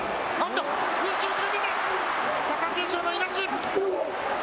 貴景勝のいなし。